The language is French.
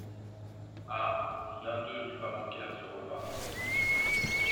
Ah! si l’un d’eux n’eût pas manqué à ce repas !